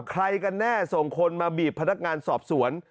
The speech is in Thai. ใครกันแน่ส่งคนมาบีบพนักงานสอบสวน